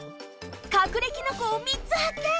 かくれきのこをみっつはっけん！